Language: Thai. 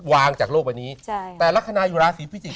วางจากโลกอันนี้แต่ลักษณะอยู่ราศีพิจิต